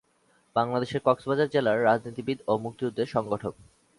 বাংলাদেশের কক্সবাজার জেলার রাজনীতিবিদ ও মুক্তিযুদ্ধের সংগঠক।